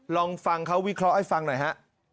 ลองฟังเขาวิเคราะห์ให้ฟังหน่อยฮะ